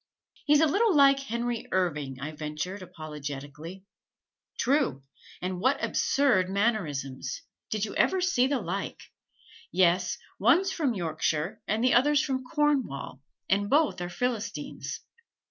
"He's a little like Henry Irving," I ventured apologetically. "True, and what absurd mannerisms did you ever see the like! Yes, one's from Yorkshire and the other's from Cornwall, and both are Philistines."